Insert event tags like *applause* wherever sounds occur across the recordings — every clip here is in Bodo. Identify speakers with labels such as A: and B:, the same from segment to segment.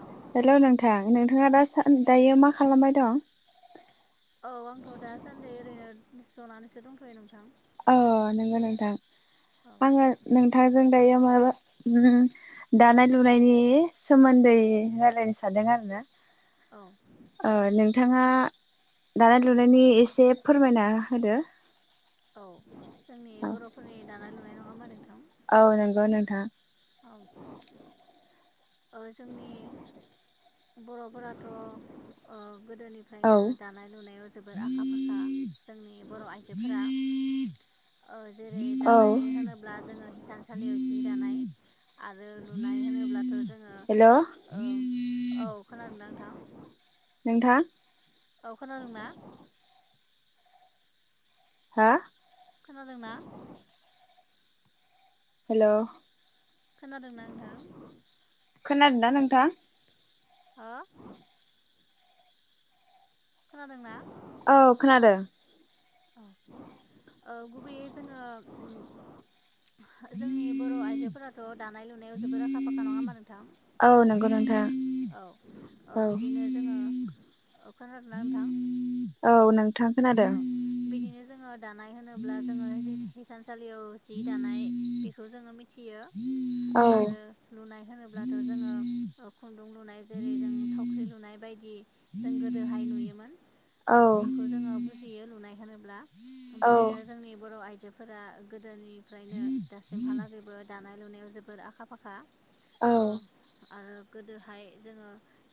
A: औ
B: हेलौ नों थां नोंथाङा दा सा दायो मा खालामबाय दं?
A: औ आंथ' दासान्दि ओरैनो जनानैसो दंख'यो नोंथां।
B: औ नंगौ नोंथां।
A: औ
B: आङो नोंथां जों दायो माबा उम दानाय लुनायनि सोमोन्दै रायलायनो सानदों आरो ना।
A: औ।
B: ओ नोंथाङा दानाय लुनायनि एसे फोरमायना होदो।
A: औ जोंनि
B: औ
A: बर'फोरनि दानाय लुनाय नङा मा नोंथां?
B: औ नंगौ नोंथां।
A: औ। ओ जोंनि बर'फोराथ' ओ
B: औ।
A: गोदोनिफ्रायनो दानाय लुनायाव जोबोर आखा फाखा जोंनि बर' आइजोफ्रा ओ जेरै
B: औ।
A: दानाय होनोब्ला जोङो हिसानसालियाव जि दानाय आरो लुनाय होनोब्ला जोङो
B: हेल'
A: ओ औ खोनादों नोंथां?
B: नोंथां
A: औ खोनादोंना?
B: हा?
A: खोनादोंना?
B: हेल'।
A: खोनादोंना नोंथां?
B: खोनादोंना नोंथां?
A: हो खोनादोंना?
B: औ खोनादों। *inaudible*
A: औ ओ गुबैयै जोङो ओ जोंनि बर' आइजोफोराथ' दानाय लुनायाव जोबोद आखा फाखा नङा होमबा नोंथां?
B: औ नंगौ नोंथां
A: औ ओ
B: औ।
A: बिदिनो जोङो।
B: औ नों
A: अ बिदिनो जोङो दानाय होनोब्ला जोङो हि-हि सानसालियाव जि दानाय बेखौ जोङो मिथियो।
B: औ
A: आरो लुनाय होनो अब्लाथ' जोङो ओ खुुंनदुं लुनाय जेरै जों थावख्रि लुनाय बायदि जों गोदोहाय नुयोमोन।
B: औ
A: ओ बेफोरखौ जोङो बुजियो लुनाय होनोब्ला
B: औ
A: बिदिनो जोंनि बर' आइजोफोरा गो दोनिफ्रायनो दासिमहालागैबो दानाय लुनायाव जो बोर आखा फाखा। औ आरो गोदो हाय जोङो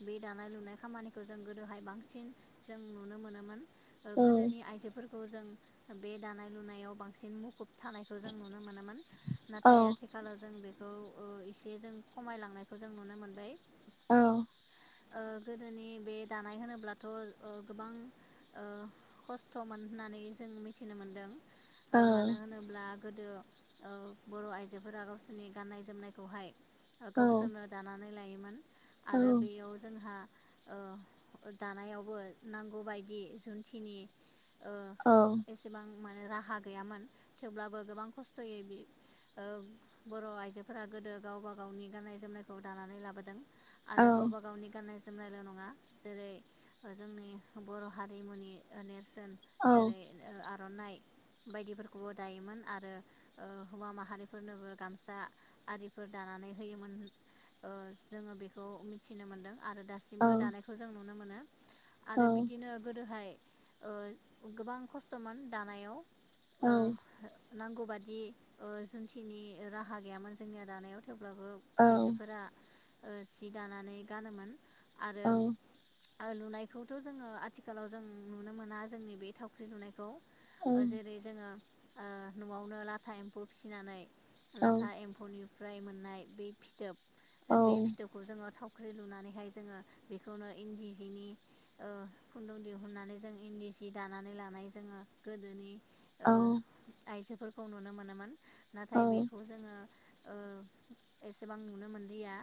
A: बे दानाय लुनाय खामानिखौ जों गोदोहाय बांसिन जों नुनो मोनोमोन। ओ गोदोनि आइजोफोर खौ जों बे दानाय लुनायाव बांसिन मु खुब थानायखौ जों नुनो मोनोमोन
B: औ
A: नाथाय आथिखालाव जों बे खौ ओ इसे जों खमायलांनायखौ जों नुनो मोनबाय।
B: औ
A: ओ गोदोनि बे दानाय होनोब्लाथ' ओ गोबां ओ खस्थ'मोननानै जों मिथिनो मोनदों।
B: औ
A: ओ मानो होनोब्ला गोदो ओ बर' आइजोफोरा गावसोरनि गाननाय जोमनायखौहाय गावसोरनो दानानै लायो। मोन आरो
B: औ
A: बेयाव जोंहा ओ दानायावबो नांगौ बायदि जुन्थिनि ओ
B: औ
A: एसेबां मोनो राहा गैयामोन थेवब्लाबो गोबां खस्थ'यै ओ बर' आइजोफोरा गोदो गावबा गावनि गाननाय जोमनायखौ दानानै लाबोदों। आरो गावबा गावनि गाननाय जोमनायल' नङा जेरै ओ जोंनि बर' हारिमुनि ओ ने सोन
B: औ
A: जेरै ओ आर'नाइ बायदिफोरखौबो दायोमोन आरो ओ हौवा माहारिफोरनोबो गामसा आरिफोर दानानै होयोमोन ओ जोङो बेखौ मिथिनो मोनदों। आरो
B: औ
A: दासिमबो दानायखौ जों नुनो मोनो।
B: औ
A: आरो बिदिनो हाय ओ गोबां खस्थ'मोन दानायाव ओ नांगौ बादि ओ जुनथिनि राहा गैयामोन जोंनिया दानायाव थेवब्लाबो आइजोफोरा ओ सि दानानै गानोमोन आरो ओ लुनाय बेखौथ' जोङो आथिखालाव जों नुनो मोना जोंनि बे थावख्रि लुनायखौ ओ जेरै जोङो ओ न'आवनो लाथा एम्फौ फिसिनानै लाथा एम्फौनि फ्राय मोननाय बे फि थोब बे फिथोबखौ जोङो थाव ख्रि लुनानैहाय जोङो बेखौनो इन्दि जिनि ओ खुन्दुं दिहुननानै जों इन्दि सि दानानै लानाय जोङो गोदोनि ओ आइजोफोर खौ नुनो मोनोमोन नाथाय बेखौ जोङो ओ एसेबां नुनो मोनलिया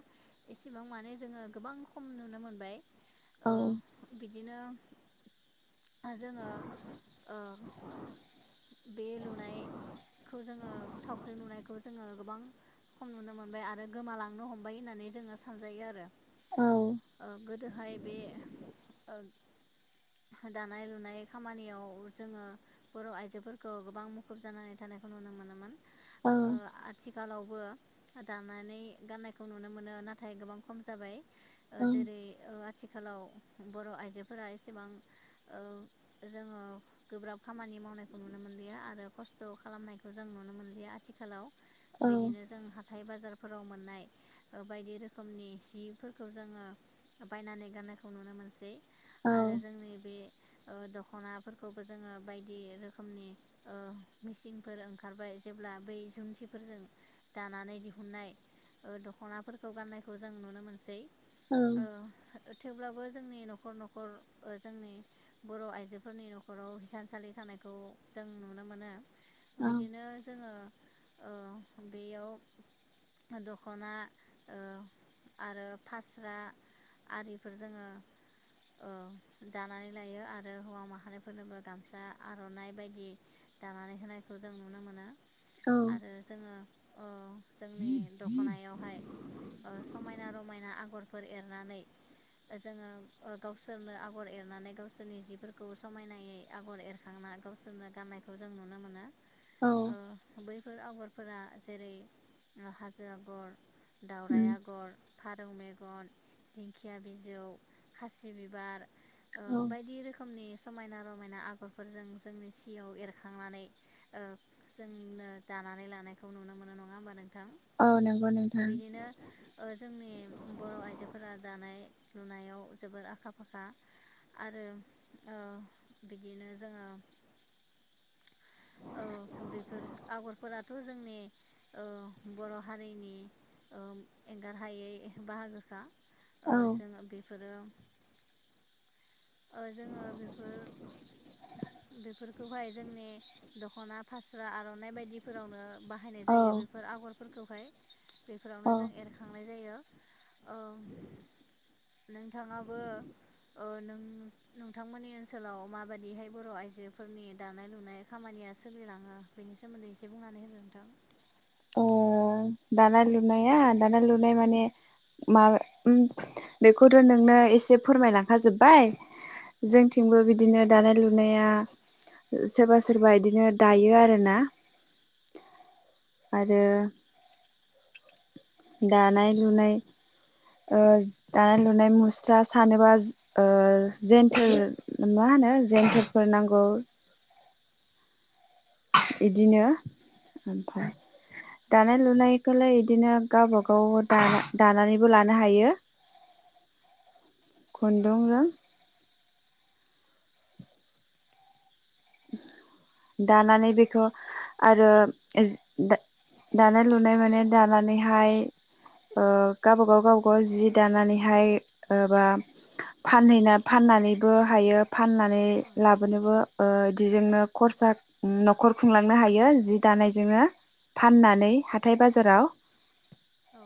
A: एसेबां माने जोङो गोबां खम नुनो मोनबाय ओ बिदिनो ओ जोङो ओ बे लुनायखौ जोङो थावख्रि लुनायखौ जोङो गोबां खम नुनो मोनबाय आरो गोमालांनो हमबाय होननानै जोङो सानजायो आरो ओ गोदोहाय बे ओ दानाय लुनाय खामानियाव जोंङो बर' आइ जोफोरखौ गोबां मुखुब जानानै थानायखौ नुनो मोनोमोन ओ आथिखालावबो दानानै गाननायखौ नुनो मोनो नाथाय गोबां खम जाबाय। ओ जेरै ओ आथिखा आथिखालाव बर' आइजोफोरा एसेबां ओ जोंङो गोब्राब खामानि मावनाय नुनो मोनलिया आरो खस्थ' खालामनायखौ जों नुनो मोनलिया आथिखालाव बिदिनो जोंहा हाथाय बाजारफोराव मोननाय ओ बायदि रोखोमनि जिफोरखौ जोङो बायनानै गाननायखौ नुनो मोनसै आरो जोंनि बे ओ दख'नाफोरखौबो जोङो बायदि रोखोम रोखोमनि ओ मिसिनफोर ओंखारबाय जेब्ला बै जुन्थिफोरजों दानानै दिहुनन्नाय ओ दख'नाफोरखौ गाननायखौ जों नुनो मोनसै
B: औ
A: ओ थेवब्लाबो जोंनि न'खर न'खर ओ जोंनि बर' आइजोफोरनि न'खराव हिसानसालि थानाय खौ जों नुनो मोनो बिदिनो जोङो ओ बेयाव दखना ओ आरो फास्रा आरिफोर जोङो ओ दानानै लायो आरो हौवा माहारिफोरनोबो गामसा आर'नाइ बायदि दानानै होनायखौ जों नुनो मोनो आरो जोङो ओ जोंनि दखनायावहाय ओ समायना रमायना आगर फोर एरनानै जोङो ओ गावसोरनो आगर एरनानै गावसोरनि जिफोरखौ समायनायै आगर एर खांना गावसोरनो गान्नायखौ जों नुनो मोनो ओ बैफोर आगर फोरा जेरै ओ हाजो आगर दावराइ
B: उम
A: आगर फारौ मेगन दिंखिया बिजौ खासि बिबार ओ
B: औ
A: बायदि रोखोमनि समायना र मोना आग फोरजों जोंनि सियाव एरखांनानै ओ जोंनो दानानै लानायखौ नुनो मोनो नङा होमबा नों
B: औ नंगौ नोंथां
A: ओ जोंनि बर' आइजोफोरा दानाय लुनायाव जोबोर आखा फाखा आरो ओ बिदिनो जोङो ओ बेफोर आगरफोराथ' जोंनि ओ बर' हारिनि ओ एंगारहायै बाहागोखा। ओ
B: औ
A: जोङो बेफोरो ओ जोङो बेफोर बेफोरखौहाय जोंनि दख'ना फास्रा आर'नाइ बायदिफोरावनो बाहायनाय
B: औ
A: जायो बेफोर आगरफोर खौहाय बेफोरावनो
B: औ
A: जों एरखांनाय जायो। ओ नोंथाङाबो ओ नों नोंथांमोननि ओनसोलाव माबायदिहाय बर' आइजोफोरनि दानाय लुनाय खामानिया सोलिलाङो बेनि सोमोन्दै एसे बुंनानै होदो नोंथां।
B: अ दानाय लुनाया दानाय लुनाय माने मा उम बेखौथ' नोंनो एसे फोरमायलांखाजोब्बाय। जोंथिंबो बिदिनो दानाय लुनाया सोरबा सोरबा इदिनो दायो आरो ना। आरो दानाय
A: औ
B: लुनाय ओ दानाय लुनाय मुस्रा सानोबा ओ जेन्थोल मा होनो जेन्थोलफोर नांगौ। इदिनो ओमफाय दानाय लुनायखोलाय इदिनो गावबा गाव दा- दानानैबो लानो हायो। खुन्दुंजों दानानै बेखौ आरो एजि दा-दानाय लुनाय माने दानानैहाय ओ गावबागाव गावबागाव जि दानानैहाय ओ बा फानहैना फाननानैबो हायो। फाननानै
A: औ
B: लाबोनोबो ओ इदिजोंनो खरसा न'खर खुंलांनो हायो जि दानायजोंनो फाननानै हाथाइ बाजाराव।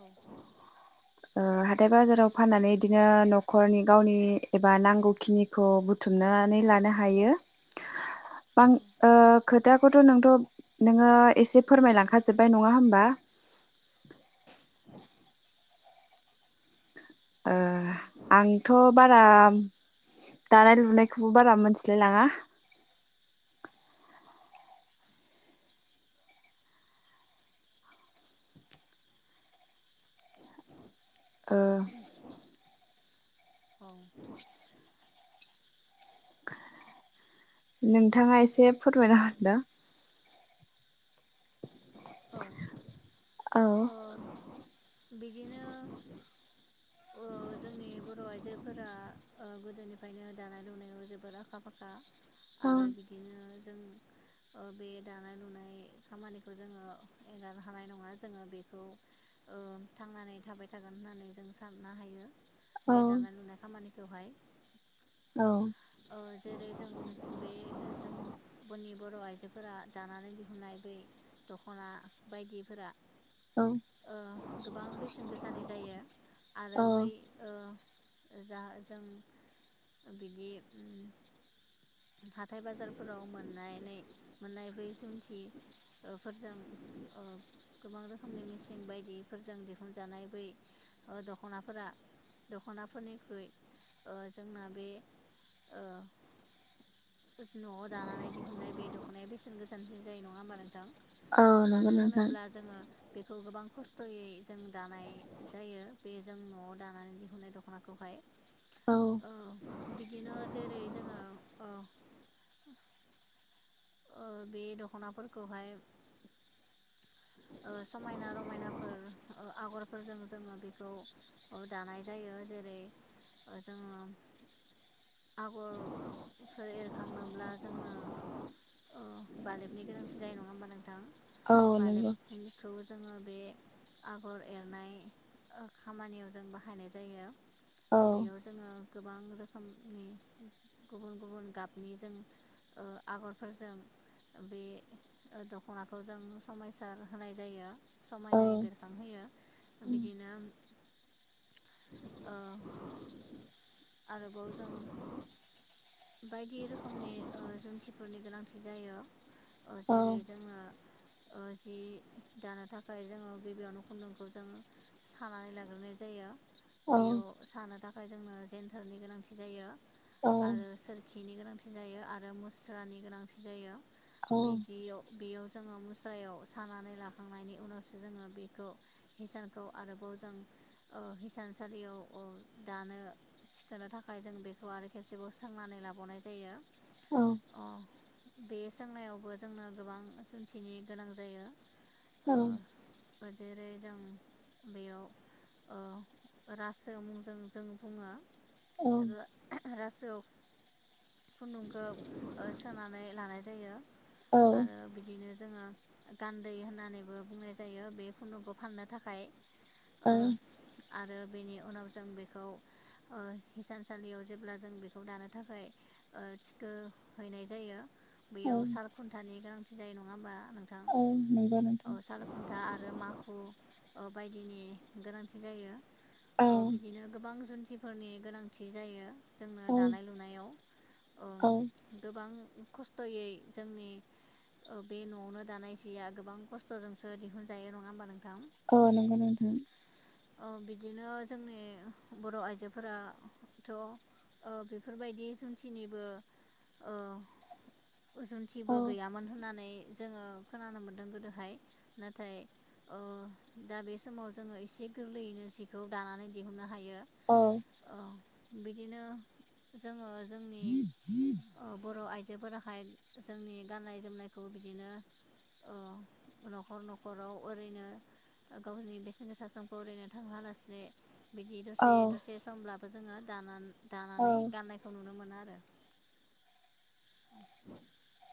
A: औ
B: ओ हाथाइ बाजाराव फाननानै इदिनो न'खरनि गावनि एबा नांगौखिनिखौ बुथुमनानै लानो हायो। बां
A: औ
B: ओ खोथाखौथ' नोंथ' नोङो एसे फोरमायलांखाजोबबाय नङा होमबा। *inaudible* ओ आंथ' बारा दानाय लुनायखौबो बारा मोनथिलायलाङा। ओ
A: औ
B: *inaudible* नोंथाङा एसे फोरमायना हरदो।
A: औ
B: औ
A: ओ बिदिनो ओ जोंनि बर' आइजोफोरा ओ गोदोनिफ्रायनो दानाय लुनायाव जोबोर आखा फाखा।
B: औ
A: आरो बिदिनो जों ओ बे दानाय लुनाय खामानिखौ जोङो एगार हानाय नङा जोङो बेखौ ओ थांनानै थाबाय थागोन होननानै जों साननो हायो। बे
B: औ
A: दानाय लुनाय खामानि खौहाय
B: औ
A: ओ जेरै- जों बे जोंबोनि बर' आइजोफोरा दानानै दिहुनाय बै द खना बायदिफोरा ओ गोबां बेसेन गोसानि जायो आरो
B: औ
A: बै ओ जा जों बिदि ओम हाथाय बाजारफोराव मोननानै मोननाय बै जुन्थि ओ फोरजों ओ गोबां रोखोमनि मेसिं बायदिफोरजों दिहुनजानाय बै ओ दख'नाफोरा दख'नाफोरनिख्रुइ ओ जोंना बे ओ न'आव दानानै दिहुनाय बे दख'नाय बेसेन गोसा *unintelligible* जायो नङा होमबा नोंथां?
B: औ नंगौ
A: मानो
B: नोंथां
A: होनोब्ला जोङो बेखौ गोबां खस्थ'यै जों दानाय जायो बे जों न'आव दानानै दिहुनाय दख'नाखौहाय
B: औ
A: ओ बिदिनो जेरै- जोङो ओ बे दख'नाफोरखौहाय ओ समायना रमायनाफोर ओ आगरफोरजों जोङो बेखौ ओ दानाय जायो जेरै- जोङो आगरफोर एरखांनोब्ला जोङो अ बालेबनि गोनांथि जायो नङा होमबा नोंथां
B: औ नंगौ
A: बालेबखौ जोङो बे आगर एरनाय ओ खामानियाव जों बाहायनाय जायो।
B: औ
A: बेयाव जोङो गोबां रोखोमनि गुबुन गुबुन गाबनि जों ओ आगर फोरजों बे दख'नाखौ जों समायसार होनाय जायो।
B: औ
A: समायनाय बेरखांहोयो बिदिनो ओ आरोबाव जों बायदि रोखोमनि ओ जुन्थिफोरनि गोनां जायो ओ
B: औ
A: जेरै जोंङो ओ जि दानो थाखाय जोङो गिबियावनो खुन्दुंखौ जों सानानै लाग्रोनाय जायो
B: औ
A: बेयाव सानो द ओमफ्राय जोंनो जेेनटारनि गोनांथि जायो
B: औ
A: बिनि गोनांथि जायो आरो मुस्रानि गोनांथि जायो बिदियाव बेयाव जोङो मस ख्रायाव सानानै लाखांनायनि उनावसो जोङो बेखौ हिसानखौ आरोबाव जों ओह हिसानसालियाव ओ दानो थिखोनो थाखाय जों बेखौ आरो खेबसेबाव सोंनानै लाबावनाय जायो। ओ बे सोंनायावबो जोंनो गोबां सोंथिनि गोनां जायो।
B: औ।
A: ओ जेरै जों बेयाव ओ रासौ मुंजों जों बुङो *unintelligible* ज खुन्दुंखौ सोनानै लानाय जायो। आरो बिदिनो जोङो गान्दै होननानैबो बुंनाय जायो। बे खुनुखौ फाननो थाखाय ओ आरो बेनि उनाव जों बेखौ हिसानसालियाव जेब्ला जों बेखौ दानो थाखाय थिखो हैनाय जायो। बैयाव साल खुन्थानि गोनांथि जायो नङा होमबा नोंथां
B: नंगौ नोंथां
A: सालखुन्था आरो माखु बायदिनि गोनांथि जायो। औ बिदिनो गोबां जुन फोरनि गोनांथि जायो। जोंनो
B: औ
A: दा
B: औ
A: गोबां खस्थ'यै जोंनि बे न'आवनो दानाय सिया गोबां खस्थ'जोंसो दिहुनजायो नङा होमबा नोंथां?
B: औ नोंगौ नोंथां।
A: ओ बिदिनो जोंनि बर' आइजोफोराथ' ओ बेफोरबायदि जुन्थिनिबो ओ उ
B: औ
A: जुन्थिबो गैयामोन होननानै जोङो खोनानो मोन्दों गोदोहाय नाथाय ओ दा बे समाव जोङो एसे गोरलैयैनो जिखौ दानानै दिहुननो हायो।
B: औ
A: ओ बिदिनो जोङो जोंनि औ बर' आइजो फोराहाय जोंनि गाननाय जोमनायखौबो बिदिनो औ नखर नखराव ओरैनो गावनि बेसेन गोसा समखौ ओरैनो थांहोलासेनो बिदि दसे
B: औ
A: दसे समब्ला बो जोङो दाना दानानै
B: औ
A: गाननायखौ नुनो मोनो आरो।
B: म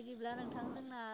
A: बिदिब्ला नोंथां जोंना